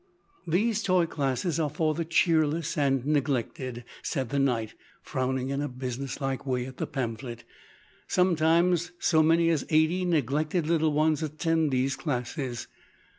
"These toy classes are for the cheerless and neglected," said the knight, frowning in a businesslike way at the pamphlet. "Sometimes so many as eighty neglected little ones attend these classes.